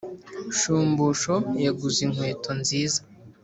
shumbusho yaguze imkweto nziza